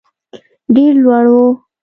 ډېر لوړ وو.